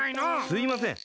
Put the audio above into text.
すいません！